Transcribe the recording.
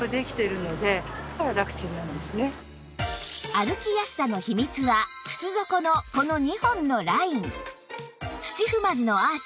歩きやすさの秘密は靴底のこの２本のライン